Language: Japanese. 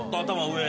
上。